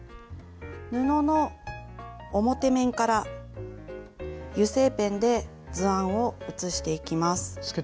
布の表面から油性ペンで図案を写していきます。